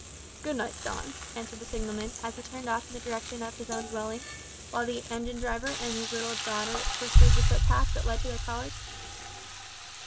"Good night, John," answered the signalman, as he turned off in the direction of his own dwelling, while the engine driver and his little daughter pursued the footpath that led to their cottage.